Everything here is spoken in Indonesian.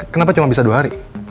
kenapa cuma bisa dua hari